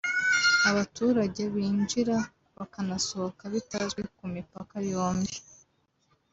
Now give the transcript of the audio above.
abaturage binjira bakanasohoka bitazwi ku mipaka yombi